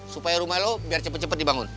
supaya rumah lo biar cepet cepet dibangun